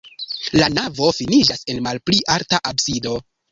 La navo finiĝas en malpli alta absido.